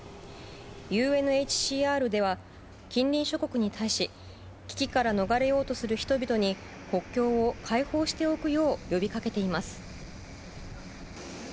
ＵＮＨＣＲでは近隣諸国に対し危機から逃れようとする人々に国境を開放しておくよう呼びかけています。